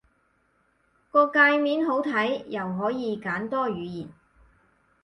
個介面好睇，又可以揀多語言